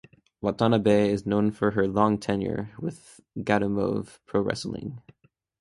Watanabe is known for her long tenure with Gatoh Move Pro Wrestling.